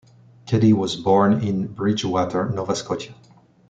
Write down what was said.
Keddy was born in Bridgewater, Nova Scotia.